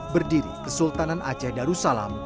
berdiri kesultanan aceh darussalam